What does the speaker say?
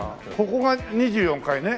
ここが２４階ね。